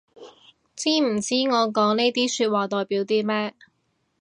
知唔知我講呢啲說話代表啲咩